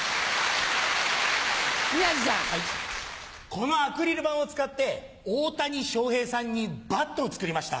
このアクリル板を使って大谷翔平さんにバットを作りました。